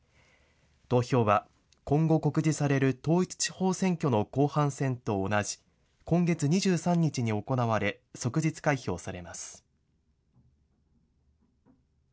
投票は、今後告示される統一地方選挙の後半戦と同じ、今月２３日に行われ、即日開票されます。